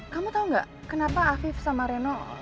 kamu tau gak kenapa afif sama reno